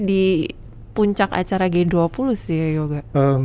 di puncak acara g dua puluh sih ya yoga